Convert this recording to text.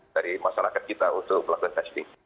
dari masyarakat kita untuk melakukan testing